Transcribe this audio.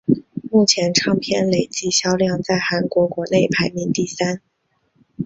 目前唱片累计销量在韩国国内排名第三。